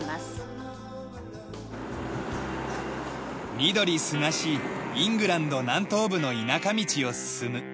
緑すがしいイングランド南東部の田舎道を進む。